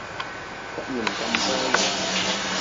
忽然咁多人